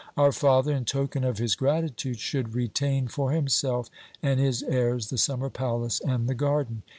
Our father, in token of his gratitude, should retain for himself and his heirs the summer palace and the garden.